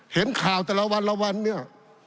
เห็นข่าวแต่ละวันละวันเนี่ย